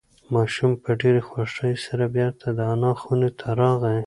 ماشوم په ډېرې خوښۍ سره بیرته د انا خونې ته راغی.